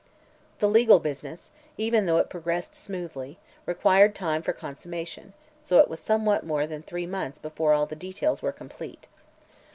The legal business, even though it progressed smoothly, required time for consummation, so it was somewhat more than three months before all the details were complete.